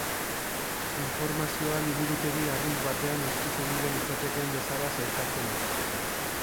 Informazioa liburutegi arrunt batean eskuz egingo litzatekeen bezala sailkatzen da.